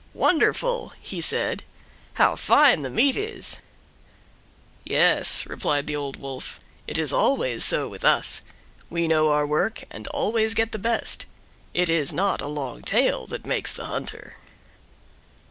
"Wonderful!" he said, "how fine the meat is!" "Yes," replied the Old Wolf, "it is always so with us; we know our work and always get the best. It is not a long tail that makes the hunter."